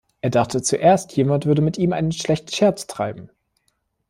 Er dachte zuerst, jemand würde mit ihm einen schlechten Scherz treiben.